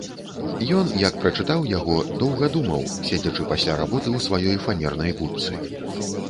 Ён, як прачытаў яго, доўга думаў, седзячы пасля работы ў сваёй фанернай будцы.